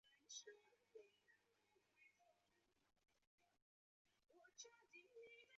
月球漫步乐团是一个来自俄亥俄州辛辛那提的美国摇滚乐队。